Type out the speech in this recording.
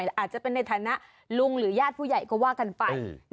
ยังมีเมื่อในฐานะลุงหรือญาติผู้ใหญ่ก็ว่ากันฝ่าย